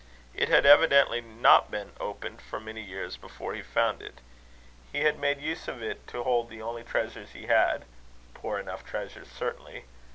It had evidently not been opened for many years before he found it. He had made use of it to hold the only treasures he had poor enough treasures, certainly!